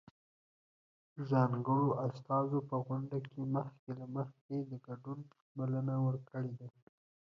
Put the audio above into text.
ځانګړو استازو په غونډه کې مخکې له مخکې د ګډون بلنه ورکړې ده.